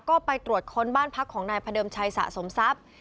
ก็ไปตรวจค้นบ้านพักของนายพระเดิมชัยสะสมทรัพย์